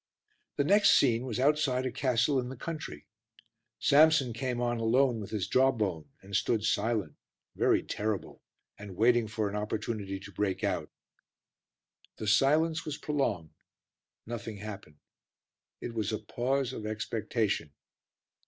The next scene was outside a castle in the country. Samson came on alone with his jawbone, and stood silent, very terrible, and waiting for an opportunity to break out. The silence was prolonged. Nothing happened. It was a pause of expectation.